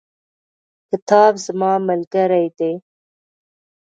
کتاب زما ملګری دی.